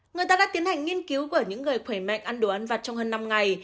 người ta đã tiến hành nghiên cứu bởi những người khỏe mạnh ăn đồ ăn vặt trong hơn năm ngày